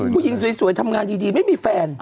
ผู้หญิงสวยทำงานดีไม่มีแฟน